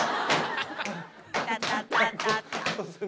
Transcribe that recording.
タタタタタン！